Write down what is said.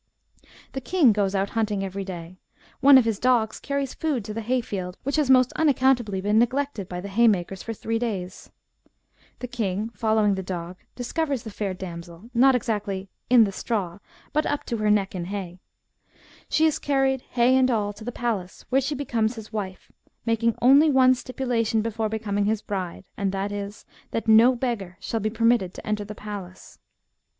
" The king goes out hunting every day ; one of his dogs carries food to the hay field, which has most unaccountably been neglected by the hay makers for three days. The king, following the dog, discovers 128 THE BOOK OF WERE WOLVES. the fair damsel, not exactly * in the straw,* but up to her neck in hay. She is carried, hay and all, to the palace, where she becomes his wife, making only one stipulation before becoming his bride, and that is, that no beggar shall be permitted to enter the palace.